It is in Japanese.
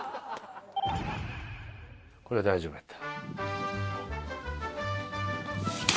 これ、大丈夫やった。